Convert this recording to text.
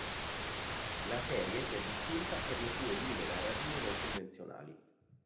La serie si è distinta per le sue linee narrative non convenzionali.